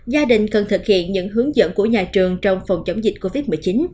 gia đình cần thực hiện những hướng dẫn của nhà trường trong phòng chống dịch covid một mươi chín